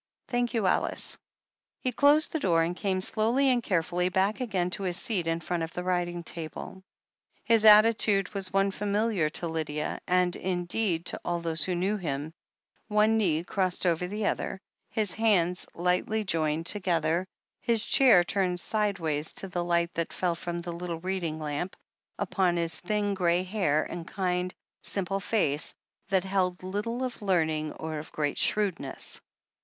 Thank you, Alice." He closed the door, and came slowly and carefully back again to his seat in front of the writing table. His attitude was one familiar to Lydia, and, indeed, to all those who knew him : one knee crossed over the other, his hands lightly joined together, his chair turned sideways to the light that fell from the little reading it 468 THE HEEL OF ACHILLES lamp upon his thin grey hair and kind, simple face, that held little of learning or of great shrewdness.